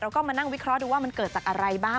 ก็มานั่งวิเคราะห์ดูว่ามันเกิดจากอะไรบ้าง